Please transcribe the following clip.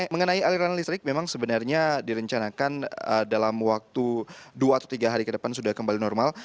mengenai aliran listrik memang sebenarnya direncanakan dalam waktu dua atau tiga hari ke depan sudah kembali normal